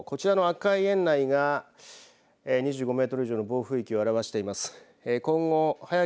こちらの赤い円内が２５メートル以上の暴風域を表しています。